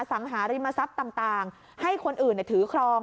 สังหาริมทรัพย์ต่างให้คนอื่นถือครอง